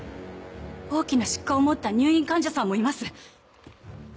大きな疾患を持った入院患者さんもいます。